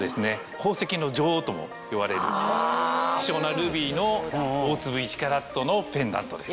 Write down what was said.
宝石の女王ともいわれる希少なルビーの大粒１カラットのペンダントです。